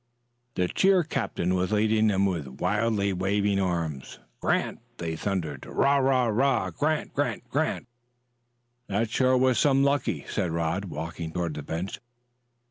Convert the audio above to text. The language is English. The cheer captain was leading them with wildly waving arms. "Grant!" they thundered. "Rah! rah! rah! Grant! Grant! Grant!" "That sure was some lucky," said Rod, walking toward the bench.